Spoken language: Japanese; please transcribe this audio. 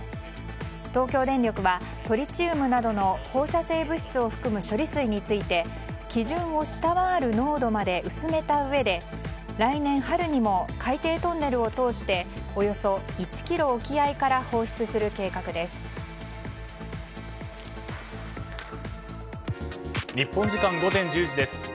東京電力はトリチウムなどの放射性物質を含む処理水について、基準を下回る濃度まで薄めたうえで来年春にも海底トンネルを通しておよそ１ｋｍ沖合から放出する計画です。